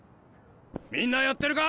みんなやってるか？